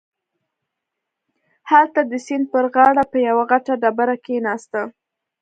هلته د سيند پر غاړه په يوه غټه ډبره کښېناسته.